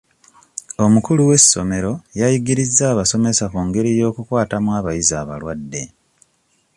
Omukulu w'essomero yayigirizza abasomesa ku ngeri y'okukwatamu abayizi abalwadde.